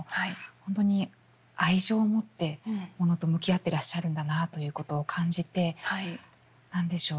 本当に愛情を持ってモノと向き合ってらっしゃるんだなということを感じて何でしょう